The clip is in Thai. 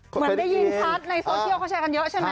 เหมือนได้ยินคัทในโซเชียลเขาใช้กันเยอะใช่ไหม